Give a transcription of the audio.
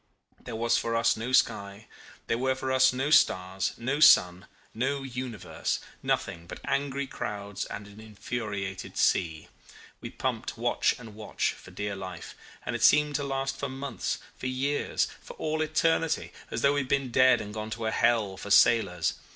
There was for us no sky, there were for us no stars, no sun, no universe nothing but angry clouds and an infuriated sea. We pumped watch and watch, for dear life; and it seemed to last for months, for years, for all eternity, as though we had been dead and gone to a hell for sailors.